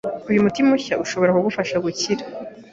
Uyu muti mushya urashobora kugufasha gukira.